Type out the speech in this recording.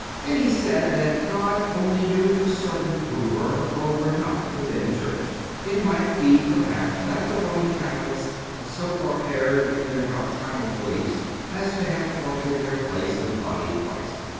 Then he said that God only knew for certain who were or were not within the Church: it might be perhaps that the Roman Catholics had so far erred in their doctrinal beliefs as to have forfeited their place in the Body of Christ.